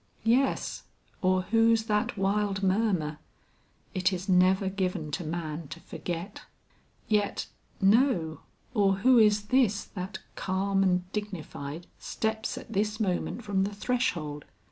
Yes, or whose that wild murmur, "Is it never given to man to forget!" Yet no, or who is this that calm and dignified, steps at this moment from the threshold?